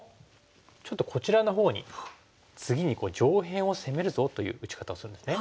ちょっとこちらのほうに次に上辺を攻めるぞという打ち方をするんですね。